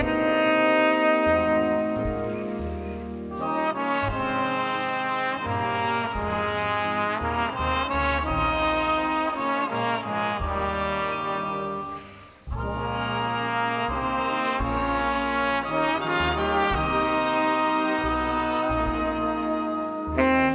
โปรดติดตามต่อไป